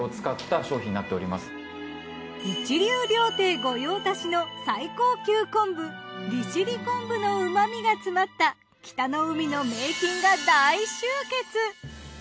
一流料亭御用達の最高級昆布利尻昆布の旨味が詰まった北の海の名品が大集結！